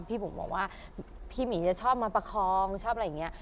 บุ๋มบอกว่าพี่หมีจะชอบมาประคองชอบอะไรอย่างนี้